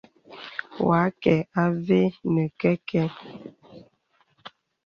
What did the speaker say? Wà àkə avɛ nə kɛ̄kɛ.